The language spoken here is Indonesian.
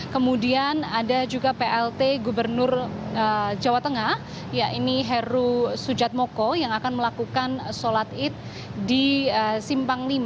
kemudian ada juga plt gubernur jawa tengah ya ini heru sujatmoko yang akan melakukan sholat id di simpang lima